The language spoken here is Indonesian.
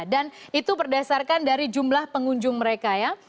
dan itu berdasarkan dari jumlah pengunjung mereka ya